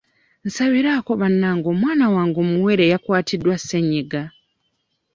Nsabiraako bannange omwana wange omuwere yakwatiddwa ssenyiga.